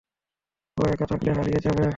ও একা থাকলে হারিয়ে যাবে।